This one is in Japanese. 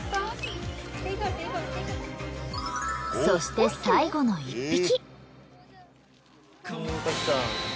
そして最後の１匹。